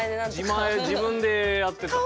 自前自分でやってたから。